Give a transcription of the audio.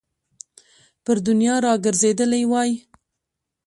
پر دنیا را ګرځېدلی وای.